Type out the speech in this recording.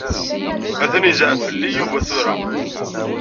Atan yezɛef Yuba fell-i tura.